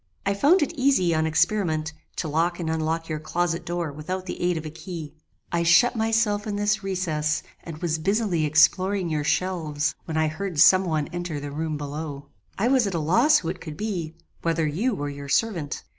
"I found it easy, on experiment, to lock and unlock your closet door without the aid of a key. I shut myself in this recess, and was busily exploring your shelves, when I heard some one enter the room below. I was at a loss who it could be, whether you or your servant.